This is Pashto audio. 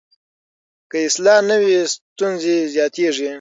که اصلاح نه وي، ستونزې زیاتېږي.